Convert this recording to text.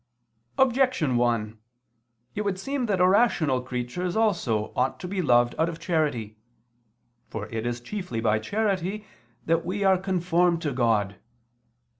Objection 1: It would seem that irrational creatures also ought to be loved out of charity. For it is chiefly by charity that we are conformed to God.